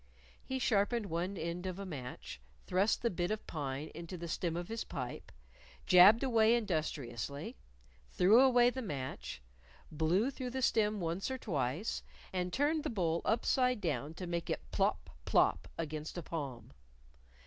He sharpened one end of a match, thrust the bit of pine into the stem of his pipe, jabbed away industriously, threw away the match, blew through the stem once or twice, and turned the bowl upside down to make it plop, plop against a palm.